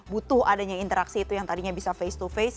butuh adanya interaksi itu yang tadinya bisa face to face